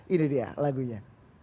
ini dia lagunya